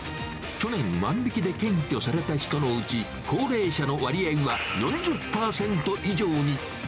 去年、万引きで検挙された人のうち、高齢者の割合は４０％以上に。